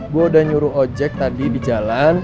gue udah nyuruh ojek tadi di jalan